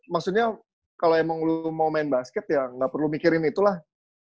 maksudnya kalau emang lu mau main basket ya nggak perlu mikirin itulah